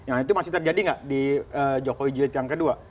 nah itu masih terjadi nggak di jokowi jilid yang kedua